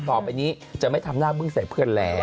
ต่อไปนี้จะไม่ทำหน้าบึ้งใส่เพื่อนแล้ว